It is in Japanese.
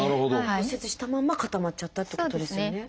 骨折したまんま固まっちゃったっていうことですよね。